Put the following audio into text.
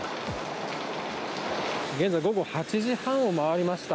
現在午後８時半を回りました。